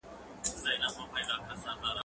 ته ولي بوټونه پاکوې،